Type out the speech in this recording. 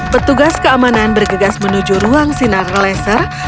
petugas keamanan bergegas menuju ruang sinar laser